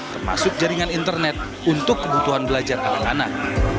termasuk jaringan internet untuk kebutuhan belajar anak anak